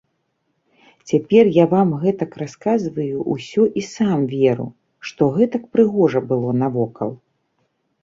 Цяпер я вам гэтак расказваю ўсё і сам веру, што гэтак прыгожа было навокал.